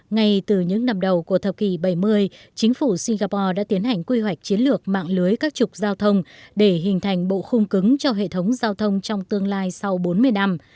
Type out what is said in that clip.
ngay từ những năm đầu của thập kỷ bảy mươi chính phủ singapore đã tiến hành quy hoạch chiến lược mạng lưới các trục giao thông để hình thành bộ khung cứng cho hệ thống giao thông trong tương lai sau bốn mươi năm